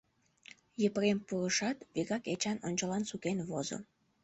Епрем пурышат, вигак Эчан ончылан сукен возо.